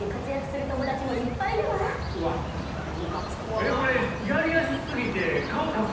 えっこれやりやす過ぎて顔隠せ